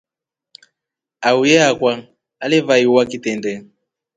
Auye akwa alivaiwa kitendee.